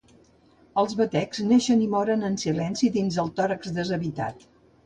Els batecs neixen i moren en silenci dins el tòrax deshabitat.